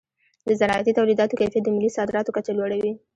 د زراعتي تولیداتو کیفیت د ملي صادراتو کچه لوړوي.